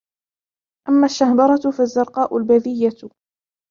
أَمَّا الشَّهْبَرَةُ فَالزَّرْقَاءُ الْبَذِيَّةُ